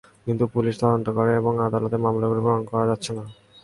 কিন্তু পুলিশ তদন্ত করে কিংবা আদালতে মামলাগুলো প্রমাণ করা যাচ্ছে না।